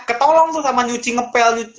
ketolong tuh sama nyuci ngepel gitu